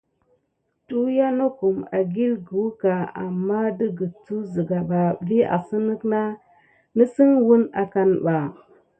Tuyiya nokum ekikucka aman tikisuk siga ɓa vi asine nesine wune akane ɓa.